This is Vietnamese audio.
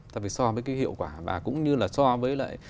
ta phải so với cái hiệu quả và cũng như là so với lại